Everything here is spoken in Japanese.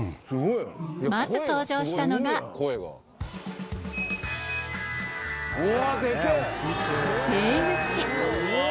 まず登場したのがうわ